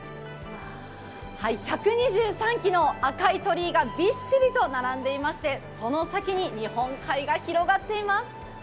１２３基の赤い鳥居がびっしりと並んでいましてその先に日本海が広がっています。